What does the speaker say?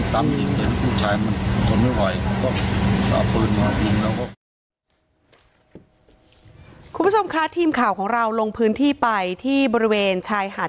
คุณผู้ชมคะทีมข่าวของเราลงพื้นที่ไปที่บริเวณชายหาด